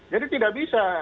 jadi tidak bisa